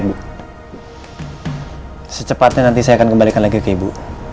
hai baik secepatnya nanti saya akan kembalikan lagi ke ibu